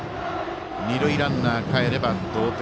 二塁ランナーかえれば同点。